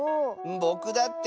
ぼくだって。